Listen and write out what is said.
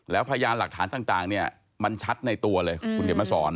แล้วพยานหลักฐานต่างมันชัดในตัวเลยคุณเกดมาสอน